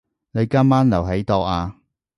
你今晚留喺度呀？